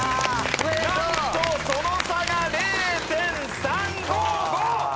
なんとその差が０．３５５！